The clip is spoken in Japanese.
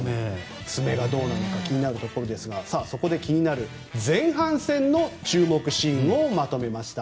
爪がどうなのか気になるところですがそこで気になる前半戦の注目シーンをまとめました。